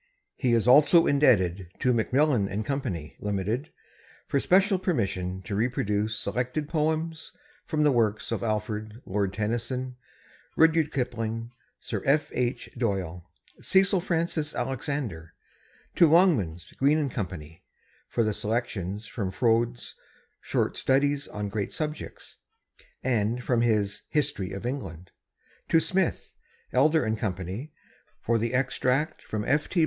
He is also indebted to Macmillan & Co., Limited, for special permission to reproduce selected poems from the works of Alfred, Lord Tennyson, Rudyard Kipling, Sir F. H. Doyle, Cecil Frances Alexander; to Longmans, Green & Co., for the selections from Froude's "Short Studies on Great Subjects" and from his "History of England"; to Smith, Elder & Co., for the extract from F. T.